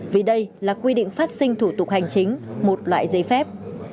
vì đây là quy định phát sinh thủ tục hành chính một loại giấy phép